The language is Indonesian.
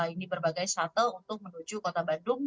ini berbagai shuttle untuk menuju kota bandung